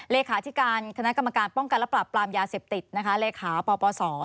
เลขาธิการคณะกรรมการป้องกันและปรับปรามยาเสพติดนะคะเลขาปปศ